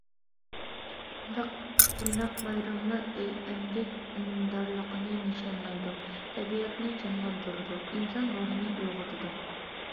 بۇنداق بايراملار ئەمگەك ئۈنۈمدارلىقىنى نىشانلايدۇ، تەبىئەتنى جانلاندۇرىدۇ، ئىنسان روھىنى ئويغىتىدۇ.